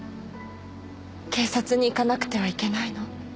警察に行かなくてはいけないの。